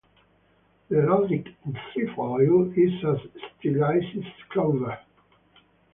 The heraldic "trefoil" is a stylized clover.